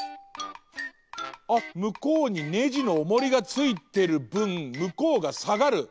あっむこうにネジのおもりがついてるぶんむこうがさがる！